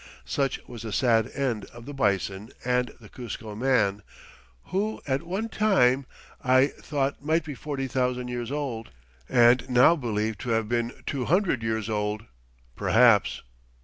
Such was the sad end of the "bison" and the "Cuzco man," who at one time I thought might be forty thousand years old, and now believe to have been two hundred years old, perhaps.